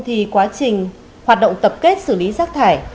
thì quá trình hoạt động tập kết xử lý rác thải